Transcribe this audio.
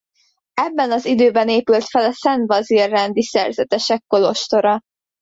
Ebben az időben épült fel a Szent Bazil-rendi szerzetesek kolostora.